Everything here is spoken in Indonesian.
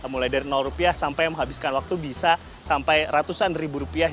mulai dari rupiah sampai menghabiskan waktu bisa sampai ratusan ribu rupiah